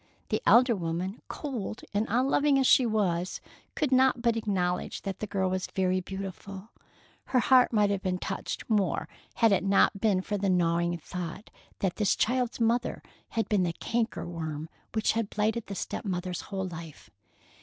The elder woman, cold and unloving as she was, could not but acknowledge that the girl was very beautiful. Her heart might have been touched more had it not been for the gnawing thought that this child's mother had been the canker worm which had blighted the step mother's whole life.